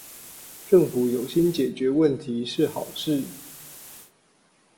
政府有心解決問題是好事